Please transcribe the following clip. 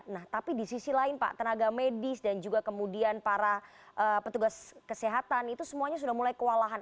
nah tapi di sisi lain pak tenaga medis dan juga kemudian para petugas kesehatan itu semuanya sudah mulai kewalahan